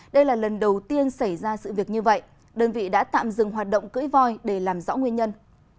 đây là lần đầu tiên xảy ra sự việc như vậy đơn vị đã tạm dừng hoạt động cưỡi voi để làm rõ nguyên nhân